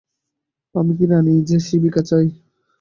আমি কি রানী যে শিবিকা চাই।